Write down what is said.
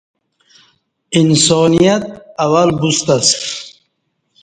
انسانیت اول بوستہ اسہ